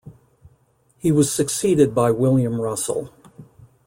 He was succeeded by William Russell.